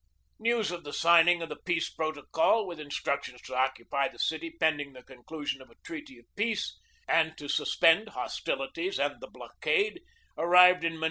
News of the signing of the peace protocol, with instructions to occupy the city pending the conclu sion of a treaty of peace 1 and to suspend hostilities 1 WASHINGTON, August 12, 1898.